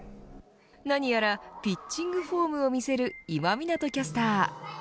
何やらピッチングフォームを見せる今湊キャスター。